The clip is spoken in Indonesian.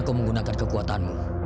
kau menggunakan kekuatanmu